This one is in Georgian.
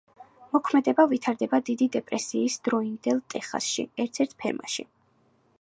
მოქმედება ვითარდება დიდი დეპრესიის დროინდელ ტეხასში, ერთ-ერთ ფერმაში.